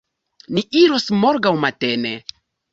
Ni iros morgaŭ matene.